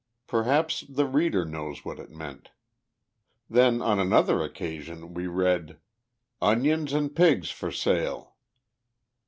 Perhaps the reader knows what it meant. Then on another occasion we read: "Onions and Pigs For Sale."